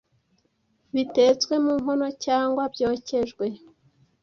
bitetswe mu nkono cyangwa byokejwe.